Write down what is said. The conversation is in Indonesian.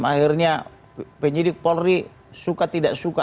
akhirnya penyidik polri suka tidak suka